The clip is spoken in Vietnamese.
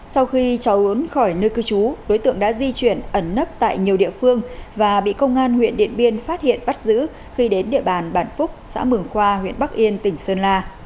sau khi cháu muốn khỏi nơi cư trú đối tượng đã di chuyển ẩn nấp tại nhiều địa phương và bị công an huyện điện biên phát hiện bắt giữ khi đến địa bàn bản phúc xã mường khoa huyện bắc yên tỉnh sơn la